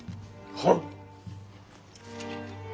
はっ。